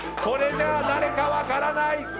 これじゃあ誰か分からない！